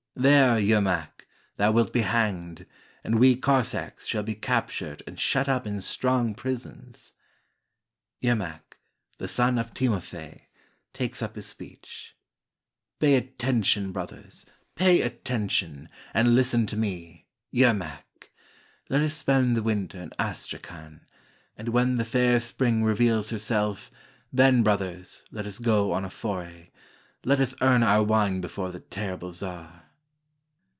''There, Yermak, thou wilt be hanged, And we Cossacks shall be captured And shut up in strong prisons." Yermak, the son of Timofey, takes up his speech :— "Pay attention, brothers, pay attention, 173 RUSSIA And listen to me — Yermak! Let us spend the winter in Astrakhan; And when the fair Spring reveals herself, Then, brothers, let us go on a foray; Let us earn our wine before the terrible czar!